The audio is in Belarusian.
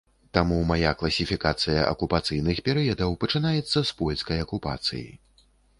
Таму мая класіфікацыя акупацыйных перыядаў пачынаецца з польскай акупацыі.